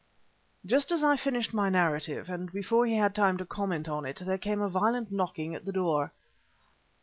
Just as I finished my narrative, and before he had time to comment on it, there came a violent knocking at the door.